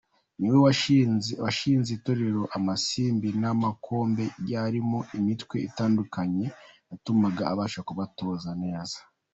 Ni we washinze itorero Amasimbi n’Amakombe ryarimo imitwe itandukanye yatumaga abasha kubatoza neza.